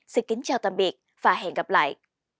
xin kính chào tạm biệt và hẹn gặp lại